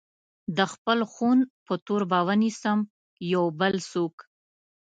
د خپل خون په تور به ونيسم يو بل څوک